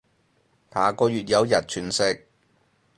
下個月有日全食